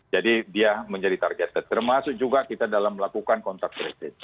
jadi dia menjadi target terutama juga dalam melakukan kontak tracing